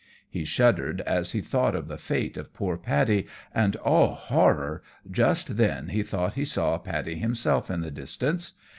He shuddered as he thought of the fate of poor Paddy, and, oh horror! just then he thought he saw Paddy himself in the distance.